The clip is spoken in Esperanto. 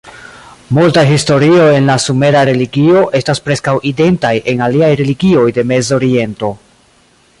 Multaj historioj en la sumera religio estas preskaŭ identaj en aliaj religioj de Mezoriento.